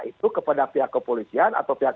itu kepada pihak kepolisian atau pihak